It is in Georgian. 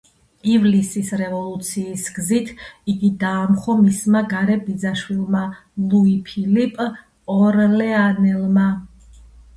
ივლისის რევოლუციის გზით იგი დაამხო მისმა გარე ბიძაშვილმა ლუი ფილიპ ორლეანელმა.